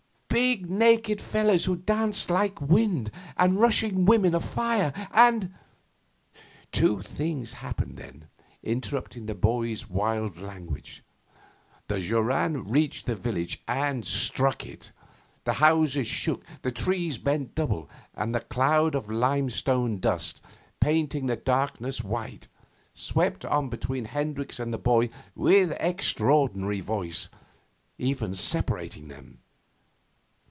'Big, naked fellows who dance like wind, and rushing women of fire, and ' Two things happened then, interrupting the boy's wild language. The joran reached the village and struck it; the houses shook, the trees bent double, and the cloud of limestone dust, painting the darkness white, swept on between Hendricks and the boy with extraordinary force, even separating them.